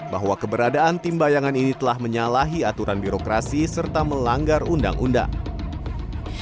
bahwa keberadaan tim bayangan ini telah menyalahi aturan birokrasi serta melanggar undang undang